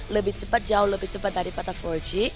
lebih cepat jauh lebih cepat daripada empat g